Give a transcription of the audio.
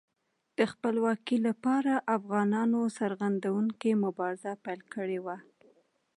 د خپلواکۍ لپاره افغانانو سرښندونکې مبارزه پیل کړې وه.